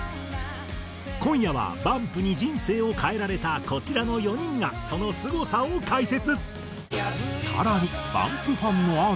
今夜はＢＵＭＰに人生を変えられたこちらの４人がそのすごさを解説。